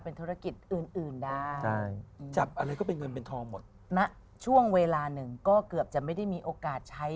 ธุรกิจอื่นอื่นได้ใช่จับอะไรก็เป็นเงินเป็นทองหมดณช่วงเวลาหนึ่งก็เกือบจะไม่ได้มีโอกาสใช้